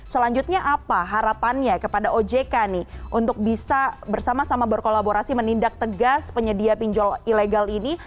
selanjutnya apa harapannya kepada ojk nih untuk bisa bersama sama berkolaborasi menindak tegas penyedia pinjol ilegal ini